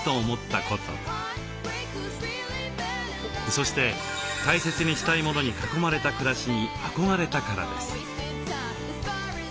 そして大切にしたいものに囲まれた暮らしに憧れたからです。